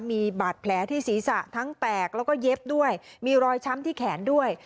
มีบาดแผลที่ศีรษะทั้งแตกแล้วก็เย็บด้วยมีรอยช้ำที่แขนด้วย